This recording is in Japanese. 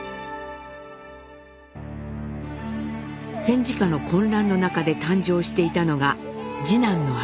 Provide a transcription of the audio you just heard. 戦時下の混乱の中で誕生していたのが次男の晃。